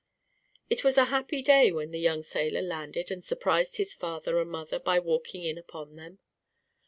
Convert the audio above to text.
It was a happy day when the young sailor landed and surprised his father and mother by walking in upon them.